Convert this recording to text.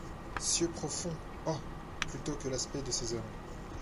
Cieux profonds ! Oh ! plutôt que l'aspect de ces hommes